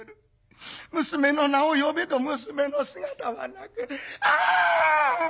娘の名を呼べど娘の姿はなくあっ！